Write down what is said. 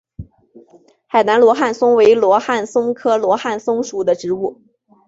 海南罗汉松为罗汉松科罗汉松属的植物。